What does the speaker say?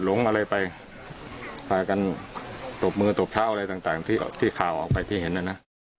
หลงอะไรไปพากันตบมือตบเท้าอะไรต่างที่ข่าวออกไปที่เห็นน่ะนะ